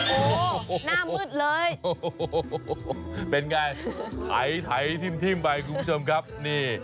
โอ้โหเป็นไงไถทิ้มไปคุณผู้ชมครับนี่